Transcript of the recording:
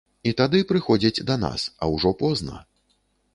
І тады прыходзяць да нас, а ўжо позна.